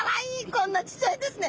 こんなちっちゃいんですね。